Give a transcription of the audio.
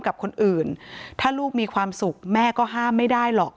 กับสามีในอ้วนที่ชื่อว่านายบุญมีเนี่ยค่ะ